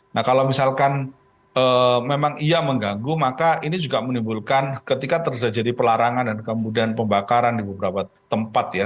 nah kalau misalkan memang iya mengganggu maka ini juga menimbulkan ketika terjadi pelarangan dan kemudian pembakaran di beberapa tempat ya